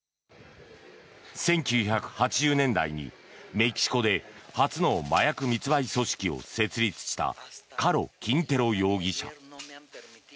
１９８０年代にメキシコで初の麻薬密売組織を設立したカロ・キンテロ容疑者。